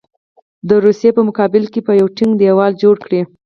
د روسیې په مقابل کې به یو ټینګ دېوال جوړ کړي.